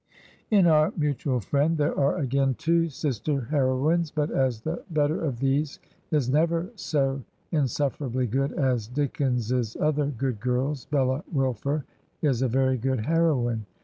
In "Our Mutual Friend" there are again two sister heroines ; but as the better of these is never so insuffer ably good as Dickens's other good girls, Bella Wilfer is a very good heroine.